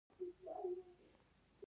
زمرد د افغان کلتور په داستانونو کې راځي.